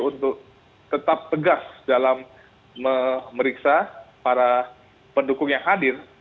untuk tetap tegas dalam memeriksa para pendukung yang hadir